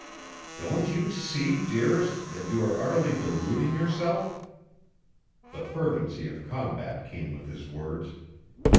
"Don't you see, dearest, that you are utterly deluding yourself?" The fervency of combat came with his words.